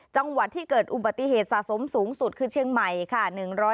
จังหวัดที่เกิดอุบัติเหตุสะสมสูงสุดคือเชียงใหม่ค่ะ